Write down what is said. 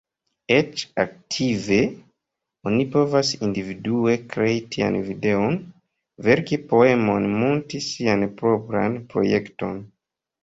Eĉ aktive, oni povas individue krei tian videon, verki poemon, munti sian propran projekton.